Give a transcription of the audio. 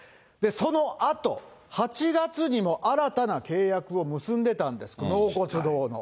そのあと、８月にも新たな契約を結んでたんです、納骨堂の。